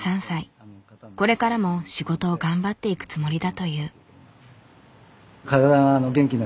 これからも仕事を頑張っていくつもりだという。